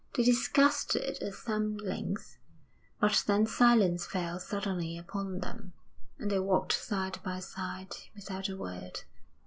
They discussed it at some length, but then silence fell suddenly upon them, and they walked side by side without a word.